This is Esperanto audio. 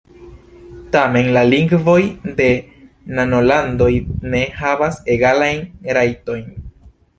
Tamen la lingvoj de nanolandoj ne havas egalajn rajtojn.